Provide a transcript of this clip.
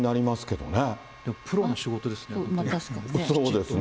プロの仕事ですね。